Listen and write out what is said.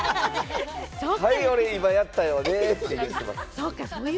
はい俺、今やったよね！ってやってます。